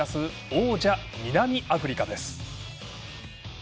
王者、南アフリカです。